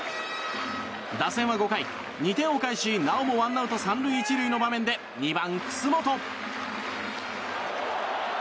打線は５回、２点を返しなおもワンアウト３塁１塁の場面で２番、楠本。